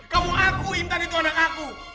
kamu aku intan itu anak aku